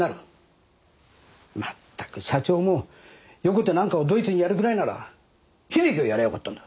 まったく社長も横手なんかをドイツにやるぐらいなら響をやりゃあよかったんだ。